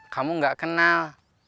kamu gak kenal